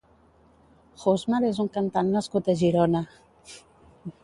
Josmar és un cantant nascut a Girona.